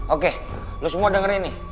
oke lu semua dengerin nih